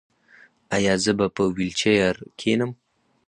ایا زه به په ویلچیر کینم؟